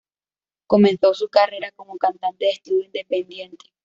Comenzó su carrera como cantante de estudio independiente.